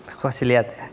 aku kasih liat ya